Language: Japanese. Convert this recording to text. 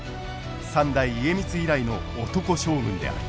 三代家光以来の男将軍である。